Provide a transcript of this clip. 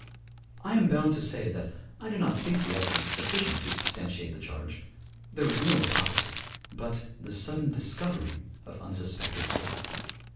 I am bound to say that I do not think the evidence sufficient to substantiate the charge. There was no hypocrisy, but the sudden discovery of unsuspected faith.